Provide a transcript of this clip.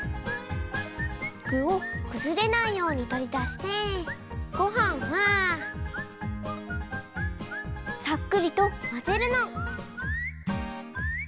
具をくずれないようにとりだしてごはんはさっくりとまぜるの。